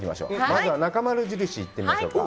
まずは、なかまる印いってみましょうか。